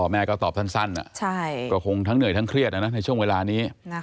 แม่ก็ตอบสั้นก็คงทั้งเหนื่อยทั้งเครียดในช่วงเวลานี้